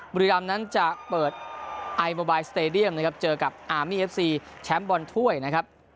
บุรีรำนั้นจะเปิดไอโมบายสเตดียมนะครับเจอกับอาร์มี่เอฟซีแชมป์บอลถ้วยนะครับ